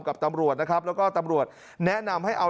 กับตำรวจนะครับแล้วก็ตำรวจแนะนำให้เอา